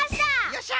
よっしゃ！